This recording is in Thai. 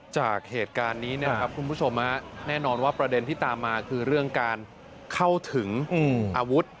จากเหตุการณ์นี้นะครับคุณผู้ชมแน่นอนว่าประเด็นที่ตามมาคือเรื่องการเข้าถึงอาวุธ